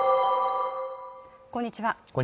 こんにちは